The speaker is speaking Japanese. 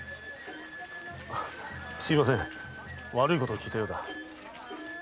すみません悪いことを聞いたようだ。